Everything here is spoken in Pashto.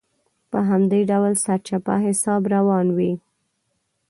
په همدې ډول سرچپه حساب روان وي.